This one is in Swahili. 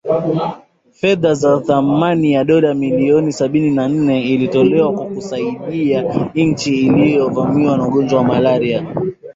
Fedhaa za thamani ya dola milioni Sabini na nne ilitolewa kwa kusaidia inchi iliyo vamiwa na ugonjwa wa malaria